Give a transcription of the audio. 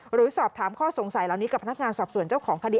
หรือสอบถามข้อสงสัยเหล่านี้กับพนักงานสอบส่วนเจ้าของคดี